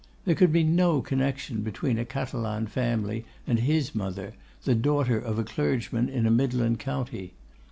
There could be no connection between a Catalan family and his mother, the daughter of a clergyman in a midland county.